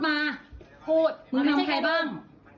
มึงทำใครบ้าง